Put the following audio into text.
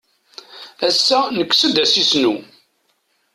Ass-a nekkes-d asisnu.